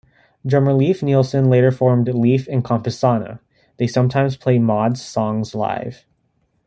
Drummer Leif Nilsen later formed Leif and Kompisane, they sometimes play Mods songs live.